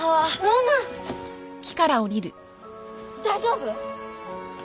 大丈夫？